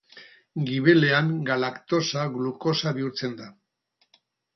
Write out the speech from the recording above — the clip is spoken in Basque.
Gibelean galaktosa glukosa bihurtzen da.